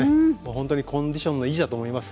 本当にコンディションの維持だと思います。